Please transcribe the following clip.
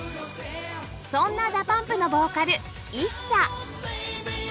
そんな ＤＡＰＵＭＰ のボーカル ＩＳＳＡ